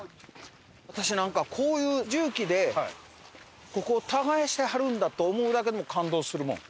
私なんかこういう重機でここを耕してはるんだって思うだけでも感動するもん。